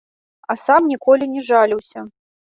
А сам ніколі не жаліўся.